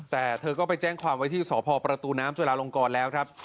แต่เธอก็ไปแจ้งความไว้ที่สพประตูน้ำจุลาลงกรแล้วครับ